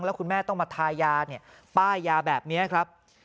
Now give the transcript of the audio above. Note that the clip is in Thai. แล้วคุณแม่ต้องมาทายาเนี่ยป้ายยาแบบนี้ครับ